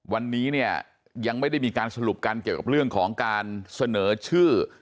วันนี้เนี่ยยังไม่ได้มีการสรุปกันเกี่ยวกับเรื่องของการเสนอชื่อ